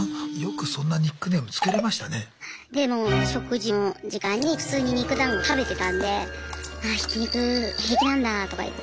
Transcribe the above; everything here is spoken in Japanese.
でも食事の時間に普通に肉だんご食べてたんで「ああひき肉平気なんだ」とか言って。